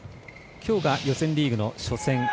きょうが予選リーグの初戦。